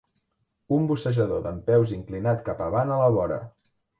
Un bussejador dempeus inclinat cap avant a la vora